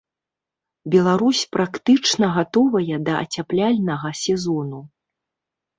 Беларусь практычна гатовая да ацяпляльнага сезону.